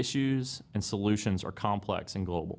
karena masalah dan solusi tersebut terlalu kompleks dan global